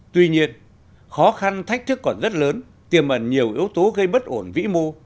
tuy nhiên khó khăn thách thức còn rất lớn tiềm ẩn nhiều yếu tố gây bất ổn vĩ mô